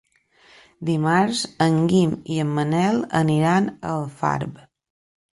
Dimarts en Guim i en Manel aniran a Alfarb.